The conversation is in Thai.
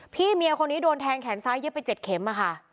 เมียคนนี้โดนแทงแขนซ้ายเย็บไป๗เข็มค่ะ